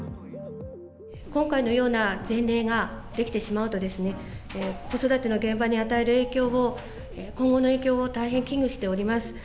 今回のような前例が出来てしまうとですね、子育ての現場に与える影響を、今後の影響を大変危惧しております。